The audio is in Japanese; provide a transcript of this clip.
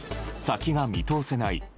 先が見通せない